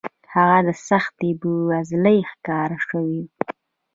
هغه د سختې بېوزلۍ ښکار شوی و